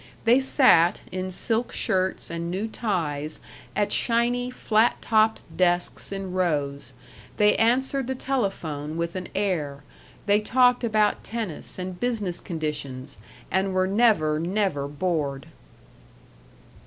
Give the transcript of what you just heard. They sat, in silk shirts and new ties, at shiny, flat topped desks in rows; they answered the telephone with an air; they talked about tennis and business conditions, and were never, never bored.